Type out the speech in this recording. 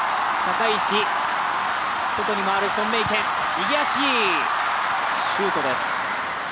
右足、シュートです。